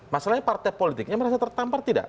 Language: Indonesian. masalahnya partai politiknya merasa tertampar tidak